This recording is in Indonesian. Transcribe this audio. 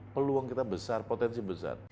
peluang kita besar potensi besar